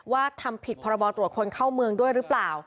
ทำผิดพรบตรวจคนเข้าเมืองด้วยหรือเปล่า